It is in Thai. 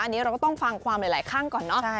อันนี้เราก็ต้องฟังความหลายข้างก่อนเนาะ